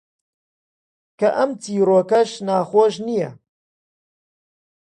کە ئەم چیرۆکەش ناخۆش نییە: